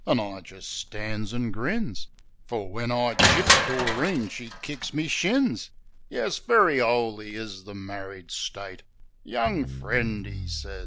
An' I jist stan's an' grins; Fer when I chips, Doreen she kicks me shins. "Yes, very 'oly is the married state, "Young friend," 'e sez.